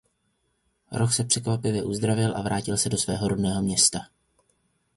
Roch se překvapivě uzdravil a vrátil do svého rodného města.